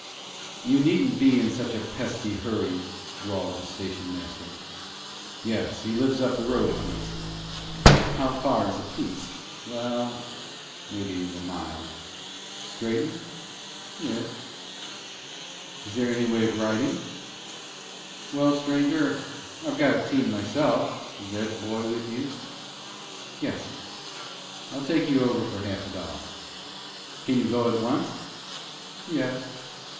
"You needn't be in such a pesky hurry," drawled the station master. "Yes, he lives up the road a piece." "How far is a piece?" "Well, maybe a mile." "Straighten?" "Yes." "Is there any way of riding?" "Well, stranger, I've got a team myself. Is that boy with you?" "Yes." "I'll take you over for half a dollar." "Can you go at once?" "Yes."